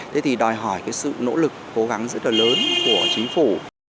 thế thì đòi hỏi cái sự nỗ lực cố gắng rất là lớn của chính phủ